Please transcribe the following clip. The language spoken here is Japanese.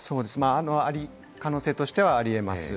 可能性としてはありえます。